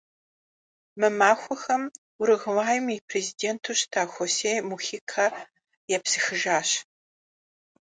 Мы махуэхэм Уругваим и президенту щыта Хосе Мухикэ епсыхыжащ.